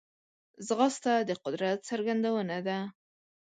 ځغاسته د قدرت څرګندونه ده